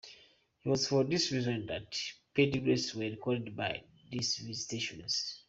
It was for this reason that pedigrees were recorded by the visitations.